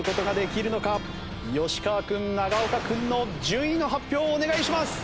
吉川君永岡君の順位の発表をお願いします。